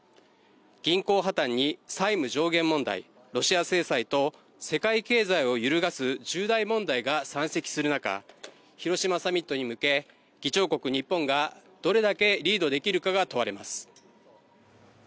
銀行破綻に債務上限問題、ロシア制裁と世界経済を揺るがす重大問題が山積する中、広島サミットに向け議長国・日本がどれだけリードできるかが問われます。